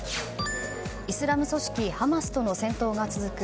イスラム組織ハマスとの戦闘が続く